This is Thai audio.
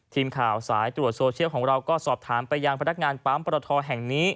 ทีมข่าวสายตรวจโซเชียลของเราก็สอบถามไปยังพนักงานปั๊มปรทแห่งนี้